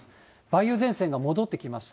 梅雨前線が戻ってきます。